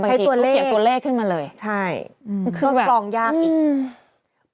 บางทีเขาเขียนตัวแรกขึ้นมาเลยใช่อืมคือแบบปลองยากอีกอืม